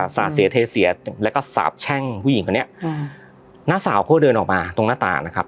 สาดเสียเทเสียแล้วก็สาบแช่งผู้หญิงคนนี้น้าสาวเขาเดินออกมาตรงหน้าต่างนะครับ